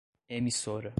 emissora